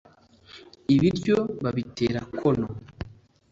ibiryo babitera kono